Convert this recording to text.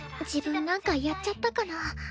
自分なんかやっちゃったかな？